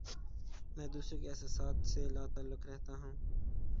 میں دوسروں کے احساسات سے لا تعلق رہتا ہوں